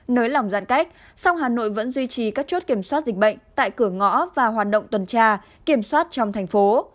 nới lỏng giãn cách song hà nội vẫn duy trì các chốt kiểm soát dịch bệnh tại cửa ngõ và hoạt động tuần tra kiểm soát trong thành phố